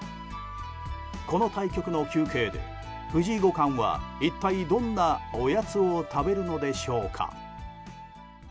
この対局の休憩で、藤井五冠は一体どんなおやつを食べるのでしょうか。